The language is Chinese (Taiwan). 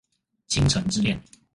傾城之戀